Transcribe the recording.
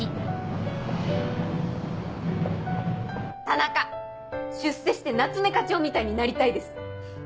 田中出世して夏目課長みたいになりたいです！